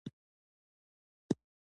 ډاکټر بايد د ټولني خدمت ګار وي.